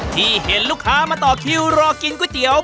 ที่เห็นลูกค้ามาต่อคิวรอกินก๋วยเตี๋ยว